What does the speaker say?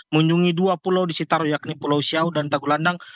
mengunjungi dua pulau di sekitar yakni pulau siau dan tagulandang